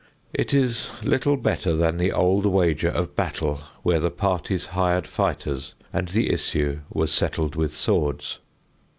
It is little better than the old wager of battle where the parties hired fighters and the issue was settled with swords.